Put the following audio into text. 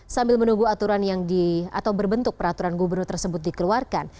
sambil menunggu aturan yang di atau berbentuk peraturan gubernur tersebut dikeluarkan